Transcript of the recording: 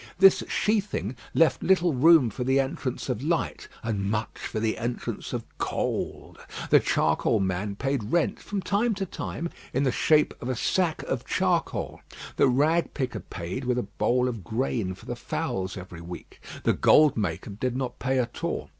This sheathing left little room for the entrance of light and much for the entrance of cold. The charcoal man paid rent from time to time in the shape of a sack of charcoal; the rag picker paid with a bowl of grain for the fowls every week; the "gold maker" did not pay at all.